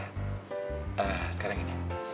yang penting dia lahir dengan sehat